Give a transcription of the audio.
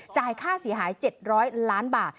ค่าเสียหาย๗๐๐ล้านบาท